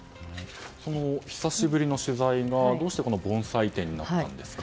久しぶりの取材がどうして盆栽展だったんですか。